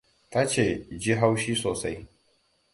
Ta ce ji haushi sosai.